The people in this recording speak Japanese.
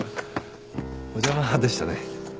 お邪魔でしたね。